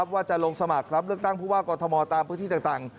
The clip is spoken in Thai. ว่าจะลงสมัครรับเลือกตั้งผู้ว่ากอทมตามพื้นที่ต่าง